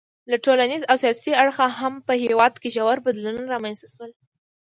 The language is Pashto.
له ټولنیز او سیاسي اړخه هم په هېواد کې ژور بدلونونه رامنځته شول.